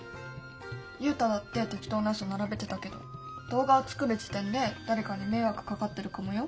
ユウタだって適当なうそ並べてたけど動画を作る時点で誰かに迷惑かかってるかもよ？